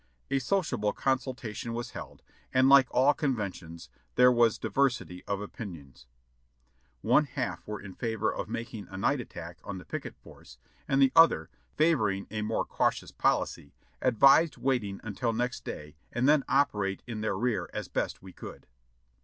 A sociable consultation was held, and like all conventions there was diversity of opinions ; one half were in favor of making a night attack on the picket force, and the other, favoring a more cautious policy, advised waiting until next day and then operate in their rear as best we could.